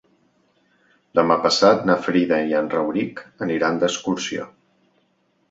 Demà passat na Frida i en Rauric aniran d'excursió.